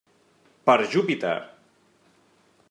Per Júpiter!